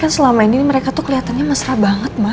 dan selama ini mereka tuh kelihatannya mesra banget mah